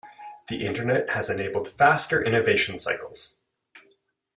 The internet has enabled faster innovation cycles.